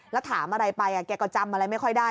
แล้วถามอะไรไปแกก็จำอะไรไม่ค่อยได้